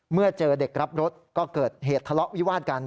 เมื่อเจอเด็กรับรถก็เกิดเหตุทะเลาะวิวาดกัน